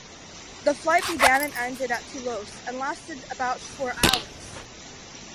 The flight began and ended at Toulouse and lasted about four hours.